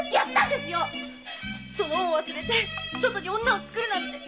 その恩を忘れて外に女を作るなんて。